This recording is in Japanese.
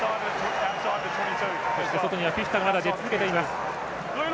そして、外にはフィフィタが出続けています。